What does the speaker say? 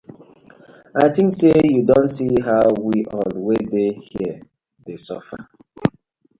I tink say yu don see how we all dey here dey suffer.